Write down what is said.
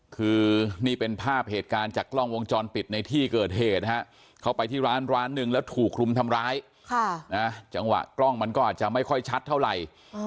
คือนี่เป็นภาพเหตุการณ์จากกล้องวงจรปิดในที่เกิดเหตุนะฮะเข้าไปที่ร้านร้านหนึ่งแล้วถูกรุมทำร้ายจังหวะกล้องมันก็อาจจะไม่ค่อยชัดเท่าไหร่